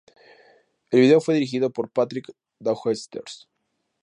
El video fue dirigido por Patrick Daughters.